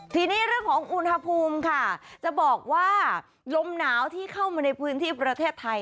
ทีนี้เรื่องของอุณหภูมิค่ะจะบอกว่าลมหนาวที่เข้ามาในพื้นที่ประเทศไทย